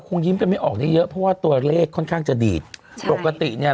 ยิ้มกันไม่ออกได้เยอะเพราะว่าตัวเลขค่อนข้างจะดีดปกติเนี้ย